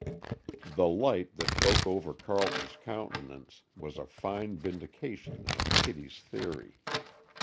The light that broke over Carleton's countenance was a fine vindication of Kitty's theory.